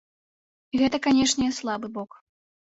Гэта, канешне, слабы бок.